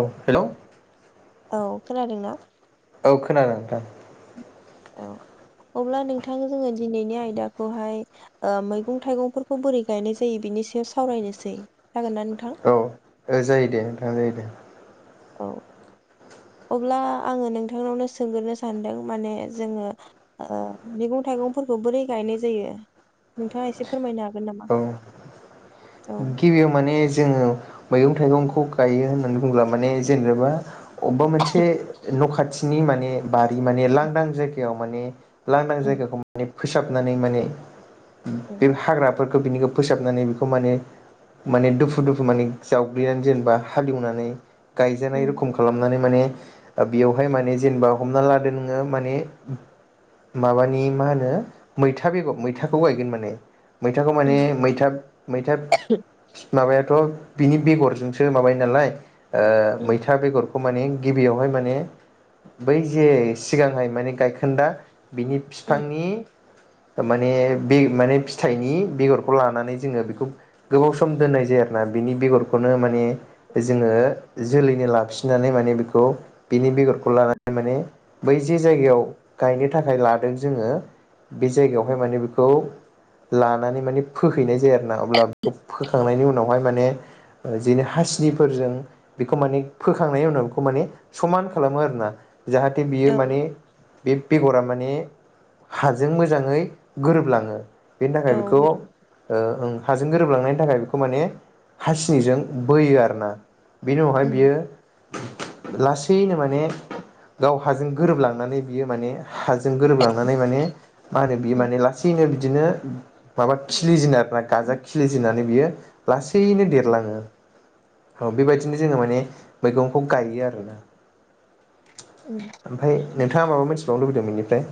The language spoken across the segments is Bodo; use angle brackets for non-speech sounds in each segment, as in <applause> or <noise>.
औ हेलौ औ खोनादोंना? औ खोनादों नोंथां। औ अब्ला नोंथां जोङो दिनैनि आयदाखौहाय ओ मैगं थाइगंफोरखौ बोरै गायनाय जायो बिनि सायाव सावरायनोसै। जागोन ना नोंथां औ ओ जायो दे नोंथां जायो दे औ अब्ला आङो नोंथांनावनो सोंग्रोनो सानदों माने जोङो ओ मैगं थाइगंफोरखौ बोरै गायनाय जायो नोंथाङा एसे फोरमायनो हा औ गिबियाव माने जोङो मैगं थाइगंखौ गायो होननानै होनब्ला माने जेनेबा अबेबा मोनसे न' खा थिनि माने बारि माने लांदां जायगायाव माने लांदां उम जायगाखौ माने फोसाबनानै माने बेफ हाग्रा फोरखौ बिनिखौ फोसाबनानै बेखौ माने-माने दुफु-दुफु माने जावग्लिनानै जेनेबा हालेवनानै उम गायजानाय रोखोम खालामनानै माने ओ बेयावहाय माने जेनेबा हमना लादो नोङो माने माबानि मा होनो मैथा बेगर मैथाखौ गायगोन माने मैथाखौ माने उम मैथा-मैथा फि माबायाथ' बिनि बेगरजोंसो माबायो नालाय ओ उम उम मैथा बेगर खौ माने गिबियावहाय माने बै जे सिगांहाय माने गायखोन्दा बिनि फिफांनि माने बि माने फिथाइनि बेगरखौ लानानै जोङो बेखौ गोबाव सम दोननाय जायो आरोना बिनि बेगरखौनो माने जोङो जोलैनो लाखिनानै माने बेखौ बिनि बेगरखौ लानानै माने बै जे जायगायाव गायनो थाखाय लादों जोङो बे उम जायगायावहाय माने बेखौ लानानै माने फोहैनाय जायो अब्ला बेखौ फोखांनायनि उनावहाय माने ओ बिदिनो हासिनिफोरजों बेखौ माने फोखांनायनि उनाव बेखौ माने समान खालामो आरोना। जाहाथे बियो औ माने बे बेगरा माने हाजों मोजाङै गोरोबलाङो। बेनि औ थाखाय बेखौ ओ ओं हाजो गोरोबलांनायनि थाखाय बेखौ माने हासिनिजों बोयो आरो ना। बेनि अहाय उम बियो लासैनो माने गाव हाजों गोरोबलांनानै बियो माने हाजों गोरोबलांनानै माने मा होनो बि उम माने लासैनो बिदिनो उम माबा खिलिजेनो आरो ना गाजा खिलिजन्नानै बियो <inaudible> लासैनो उम देरलाङो। औ बेबायदिनो जोङो माने मैगंखौ गायो आरोना। उम ओमफ्राय नोंथाङा माबा मोनसे बावनो लुबैदों बेनिफ्राय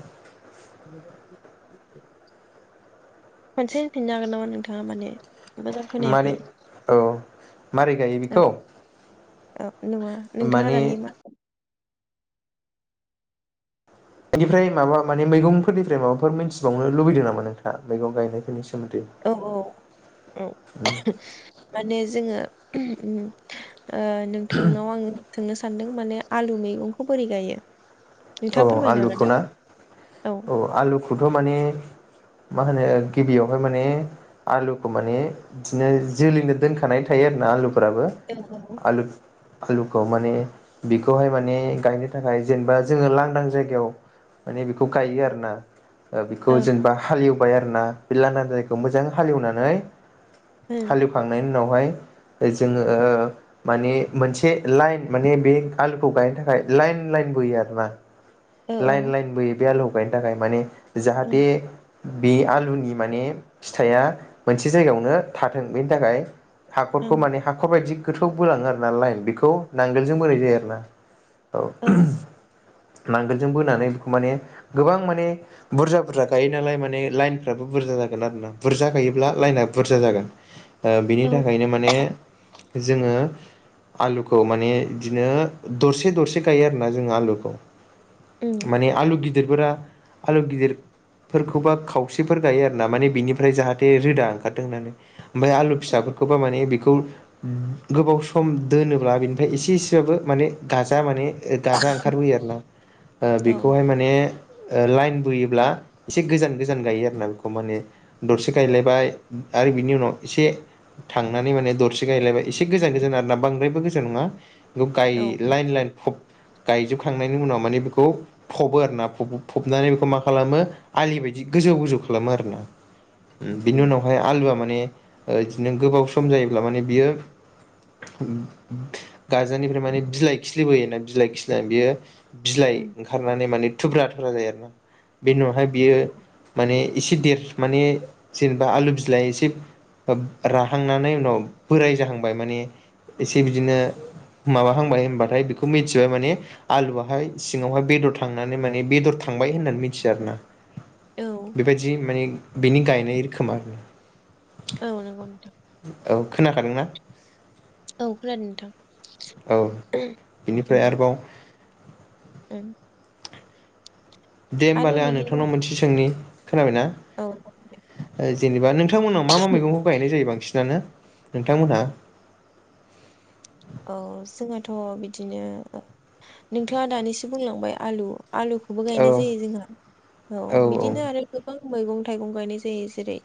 खनसेहोनफिनो हागोन नामा नोंथाङा माने मोजां माने खोनायाखै औ मारै गायो बेखौ ओ। नङा नोंथाङा माने दानि मा बेनिफ्राय माबा माने मैगंफोरनिफ्राय माबाफोर मिथिबावनो लुबैदों नामा नोंथाङ मैगं गायनायफोरनि सायाव। औ औ औ माने जोङो उम। नोंथांनाव आङो सोंनो सानदों माने आलु मैगंखौ बोरै गायो? औ नोंथाङा फोरमायनो हागोन आलुखौ ना औ आलुखौथ' माने मा होनो गिबियावहाय माने आलुखौ माने बिदिनो जोलैनो दोनखानाय थायो आरोना आलुखौ फोराबो औ औ औ आलु आलुखौ माने बेखौहाय माने गायनो थाखाय जेनेबा जोङो लांदां जायगायाव माने बेखौ गायो आरोना। बेखौ जेनेबा हालएव बाय आरो ना बे लांदां जायगायाव मोजां हालेनानै ओं हाललिवखांनायनि नावहाय जोङो माने मोनसे लाइन माने बे आलुखौ गायनो थाखाय लाइन लाइन बोयो आरो बा औ लाइन औ लाइनबोयो बे आलु गायनो थाखाय माने ओं जाहाथे बे आलुनि माने फिथाइया मोनसे जायगायावनो थाथों बेनि थाखाय हाखरखौ माने ओं हाखर बायदि गोथौआव बोलाङो आरो ना लाइन बेखौ नांगोलजों बोराय जायो आरो ना औ। नांगोलजों बोनानै बेखौ माने गोबां माने बुरजा बुरजा गायो नालाय माने लाइनफ्राबो बुरजा जागोन आरो ना बुरजा गायोब्ला लाइनाआ बुरजा जागोन। बिनि थाखायनो माने जोङो आलुखौ माने बिदिनो दरसे दरसे गायो आरोना जोङो आलुखौ। उम माने आल गिद गिदिरफोरा आलु गिदिरफोरखौबा खावसेफोर गायो आर ना माने बिनिफ्राय जाहाथे रोदा ओंखारदों होननानै। ओमफ्राय आलु फिसाफोरखौबा माने बेखौ खौ गोबाव सम दोनोब्ला बेनिफ्राय एसे एसेबाबो माने गाजा माने गाजा ओंखारबोयो आरोना। औ बेखौहाय माने ओ लाइन बोयोब्ला एसे गोजान-गोजान गायो आरोना बेखौ माने दरसे गायलायबाय आरो बिनि उनाव एसे थांनानै माने दरसे गायलायबाय एसे गोजान-गोजान आर ना बांद्रायबो गोजान नंङा गाइ औ लाइन-लाइन खुब गायजोबखांनायनि उनाव माने बेखौ फबो आरोना फबनानै बेखौ मा खालामो आलि बायदि गोजौ-गोजौ खालामो आरोना बिनि उम उनावहाय आलुआ माने बिदिनो गोबाव सम जायोब्ला माने बियो गारजानिफ्राय माने बिलाइ खिलिबोयोना बिलाइ खिलिनानै बियो। बिलाइ उम ओंखारनानै माने थुब्रा जायो आरोना बेनि बियो माने एसे देर माने जेनेबा आलु बिलाइ एसे राहांनानै उनाव बोराय जाहांबाय माने एसे बिदिनो माबाहांबाय होनबाथाय बेखौ मिथिबाय माने आलुवआ। बहाय सिङांवहाय बेदर थांनानै माने बेदर थांबाय होननानै मिथिया आरोना। औ बेबायदि माने बिनि गाय निर खोमा औ नोंगौ नोंथां खोनाखादोंना औ खोनादों नोंथां औ बेनिफ्राय आरोबाव द दे होमबालाय आं बिदिनो नोंथांनाव मोनसेै सोंनि खोनाबायना औ जेनेबा नोंथांमोननाव मा-मा मैगंखौ गायनाय जायो बांसिन जानो नोंथांमोनहा औ जोंहाथ बिदिनो ओ नोंथांङा दानिसो बुंलांबाय आलु आलुखौबो औ गायनाय जायो जोंहा औ बिदिनो आरो गोबां मैगं थाइगं गायनाय जायो जेरै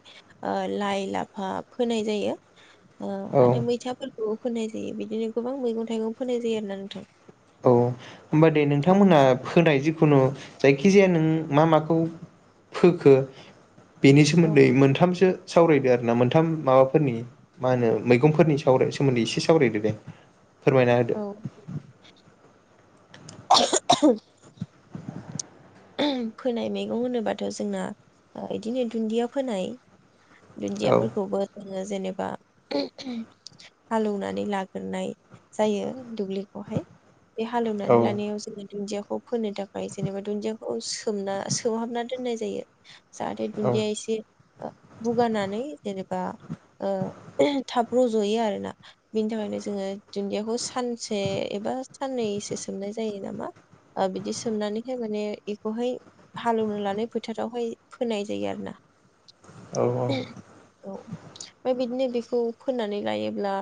ओ लाइ-लाफा फोनाय जायो ओ औ आरो मैथाफोर फोनाय जायो बि बिदिनो गोबां मैगं-थाइगं फोनाय जायो आरो ना नोंथां औ होनबा दे औ नोंथांमोना फोनाय जिखुनु जायखिजाया नों मा माखौ फोखो बेनि औ सोमोन्दै मोनथामसो सावरायदो आरोना मोनथाम माबाफोरनि मा होनो मैगंफोरनि साव सोमोन्दै एसे सावरायदो दे। फोरमायना होदो औ <inaudible> फोनाय मैगं होनोबाथ जोंना बिदिनो दुन्दिया फोनाय दुन्दि औ आफोरखौबो जेनेबा हालौनानै लाग्राय जायो दुब्लिखौहाय बे औ हालेवनानै लानायाव जोंना दुन्दिया खौ फोनो थाखाय जेनेबा दुनजि औ सोमना सोमहाबना दोननाय जायो। जाहाथे औ दुन्दिया एसे बुगानानै जेनेबा बा ओ थाब रज'यो आरोना बिनि थाखायनो जोङो दुन्दियाखौ सानसे एबा साननैसो सोमनाय जायो नामा ओ बिदि सोमनानैहाय माने बेखौहाय हालौवनो लानाय फोथारावहाय फोनाय जायो आरो ना औ औ ओमफाय बिदिनो बेखौ फोननानै लायोब्ला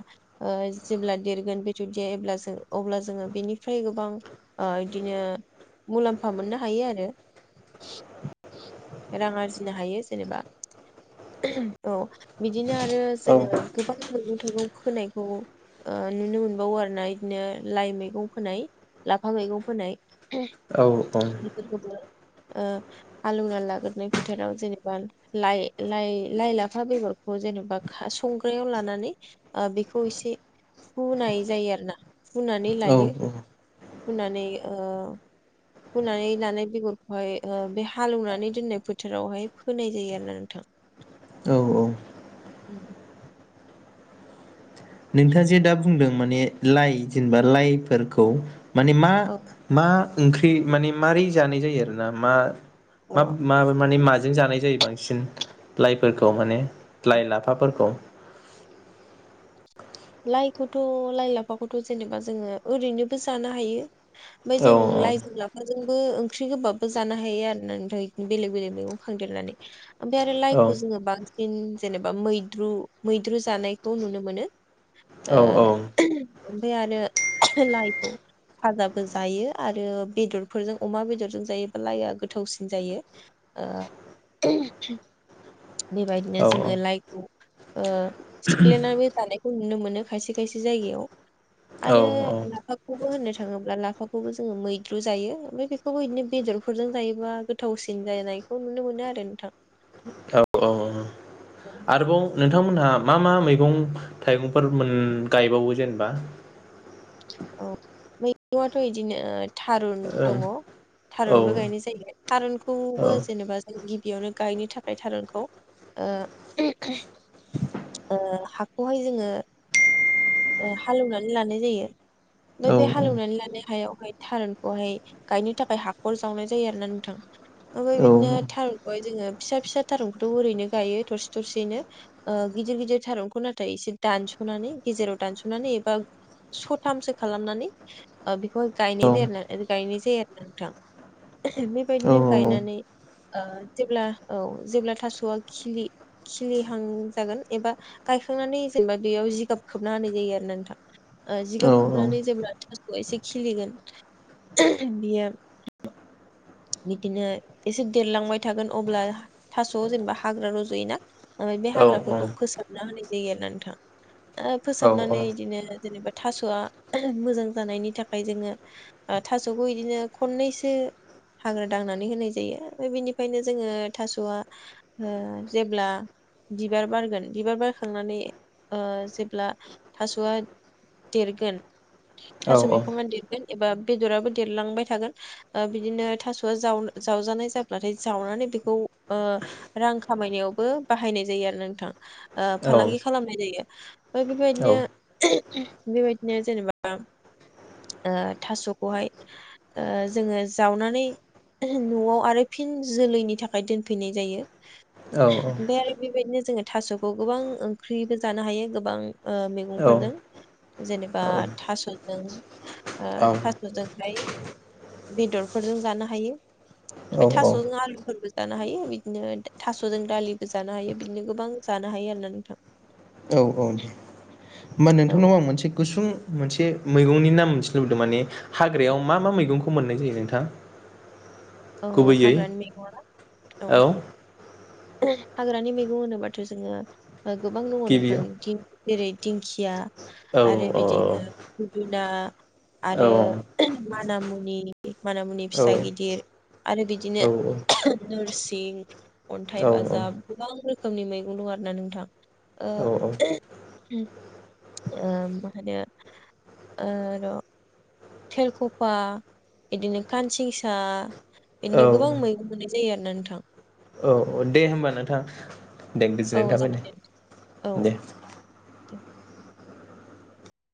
ओ जेब्ला देरगोन बेथर देब्ला अब्ला जोङो बेनिफ्राय गोबां बिदिनो मुलाम्फा मोननो थायो आरो रां आरजिनो हायो जेनेबा औ। बिदिनो आरो जोङो गोबां मैगं थाइगं फोनायखौ ओ नुनो मोनबावो आरोना बिदिनो लाइ मैगं फोनाय लाफा मैगं फोनाय औ <unintelligible> ओ हालौना लाग्रोननाय फोथाराव जेनेबा लाइ लाइ लाइ लाफा बेगरखौ जेनेबा खा संग्रायाव लानानै ओ बेखौ एसे हुनाय जायो आरो ना। फुनानै लायो। औ हुनानै ओ फुनानै लानाय बेगरखौहाय बे ओ हालौवनानै दोननाय फोथोरावहाय फोनाय जायो आरोना नोंथां। औ औ <inaudible> नोंथाङा जे दा बुंदों माने लाइ जेनेबा लाइफोरखौ माने मा औ मा ओंख्रि माने मारै जानाय जायो आरो ना मा मा औ मा माने माजो जों जानाय जायो बांसिन लाइफोरखौ माने लाइ लाफाफोरखौ लाइखौथ' लाइ लाफाखौथ' जेनेबा जोङो ओरैनोबो जानो हायो। ओमफ्राय औ जों औ लाइजों लाफाजों बो ओंख्रि गोबाबो जानो हायो आरो ना ओमफ्राय बेलेग बेलेग मैगं खांदेरनानै ओमफ्राय आरो औ लाइखौ जोङो बांसिन जेनेबा मैद्रु मैद्रु जानायखौ नुनो मोनो। ओ औ ओमफ्राय आरो लाइखौ फाजाबो जायो आरो बेदरफोरजों अमा बेदरजों जायोब्ला लाइआ गोथावसिन जायो ओ। बे बायदिनो जोङो लाइखौ ओ सिफ्लेनानै जानाय नुनो मोनो खायसे खायसे जायगायाव औ आरो लाफाखौबो होननो थांङोब्ला ला फाखौबो जोङो मैद्रु जायो ओमफ्राय बेखौबो बिदिनो बेदरफोरजों जायोबा गोथावसिन जानायखौ नुनो मोनो आरो नोंथां औ औ आरोबाव नोंथांमोनहा मा मा मैगं थाइगंफोर मोन गायबावो जेनेबा औ मैगुआथ' बिदिनो थारुन औ दङ थारुनबो गायनाय जायो औ थारुनखौबो जेनेबा जों बेयावनो गायनो थाखाय थारुनखौ ओ हाखौहाय जोङो हालौनानै लानाय जायो ओमफ्राय औ बे हालेवनानै लानाय हायाव थारुनखौहाय गायनो थाखाय हाखर जावनाय जायो आरो ना नोंथां ओमफ्राय औ बिदिनो औ थारुनखौहाय जोङो फिसा फिसा थारुनखौथ ओरैनो गायो थरसे थरसेनो गिदिर गिदिर थारुनखौ नाथाय एसे दानसनानै गेजेराव दानसनानै एबा स थामसो खालामनानै गायनो जायो <unintelligible> नोंथां बेबायदिनो गायनानै ओ जेब्ला औ जेब्ला थासआ खिलि खिलिहां जागोन एबा गायखांनानै जेनेबा बेयाव जिगाब खोबना होनानाय जायो आरोना नोंथां अ जिगाब औ खोबनानै जेब्ला थासया एसे खिलिगोन बियो बिदिनो एसे देरलांबाय थागोन अब्ला थास' जेनेबा हाग्रा रजयोना बे औ औ हाग्राफोरखौ फोसाबना होना होयो आरोना नोंथां फोसाबनानै औ-औ-औ-औ-औ-औ-औ-औ-औ-औ-औ-औ-औ बिदिनो जेनेबा थासआ मोजां जानायनि थाखाय जोङो थासखौ बिदिनो खननैसो हाग्रा दांनानै होनाय जायो ओमफ्राय बेनिफ्रायनो जोङो थासआ ओ जेब्ला बिबार बारगोन बिबार बारखांनानै ओ जेब्ला थासआ देरगोन थास' बिखङा देरगोन एबा बेदराबो देरलांबाय थागोन बिदिनो थासआ जाव जावजानाय जाब्लाथाय जावनानै बेखौ ओ रां खामायनायावबो बाहायनाय जायो आरो नोंथां ओ फालांगि खालामनाय जायो ओमफ्राय बेफोरबायदिनो बेबायदिनो जेनेबा ओ थास'खौहाय जोङो जावनानै नआव आरो फिन जोलैनि थाखाय दोनफैनाय जायो। बेबायदिनो जोङो थास'खौ गोबां ओंख्रिबो जानो हायो गोबां ओ मैगंफोरजों जेनेबा थास'जों ओ थास'जोंहाय बेदरफोरजों जानो हायो। ओमफफ्राय थास'जों आलुफोरबो जानो हायो। बिदिनो थास'जों दालिबो जानो हायो बिदिनो गोबां जानो हायो आरोना नोंथां। औ औ दे होमबा औ नोंथांनाव आं मोनसे गुसुं मोनसे मैगंनि नाम मोनथिनो लुबैदों माने हाग्रायाव मा मा मैगंखौ मोननाय जायो नोंथां? औ गुबैयै हाग्रानि मैगङा ना औ हाग्रानि मैगं होनोबाथ' जोङो गोबां दङ गिबियाव नोंथांनि दिन जेरै दिंखिया आरो बिदिनो <inaudible> ना आरो मानामुनि मानामुनि फिसा औ-औ-औ-औ-औ-औ-औ-औ-औ-औ-औ-औ-औ-औ गिदिर आरो बिदिनो नोरसिं अन्थाइ बाजाब गोबां रोखोमनि मैगं दं आरो ना नोंथां ओ ओ मा होनो ओ र' थेलखफा बिदिनो कानसिंसा बिदिनो गोबां मैगं मोननाय जायो आरो ना नोंथां। दे होमबा नोंथां दे औ गोजोननाय थाबाय ने जागोन दे औ दे। <unintelligible>